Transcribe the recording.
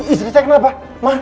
istri saya kenapa pak